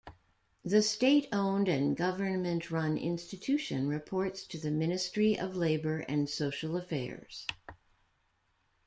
The state-owned and government-run institution reports to the Ministry of Labour and Social Affairs.